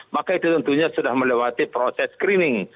maka itu tentunya sudah melewati proses screening